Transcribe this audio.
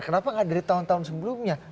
kenapa nggak dari tahun tahun sebelumnya